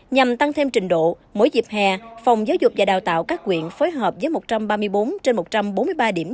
nhằm tăng thêm trình độ mỗi dịp hè phòng giáo dục và đào tạo các quyện phối hợp với một trăm ba mươi bốn trên một trăm bốn mươi ba điểm